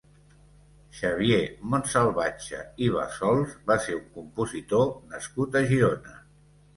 Xavier Montsalvatge i Bassols va ser un compositor nascut a Girona.